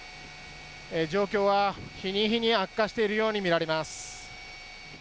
状況は日に日に悪化しているように見られます。